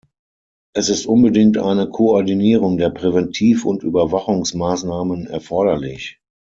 Es ist unbedingt eine Koordinierung der Präventiv- und Überwachungsmaßnahmen erforderlich.